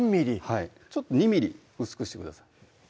ほう３ｍｍ２ｍｍ薄くしてください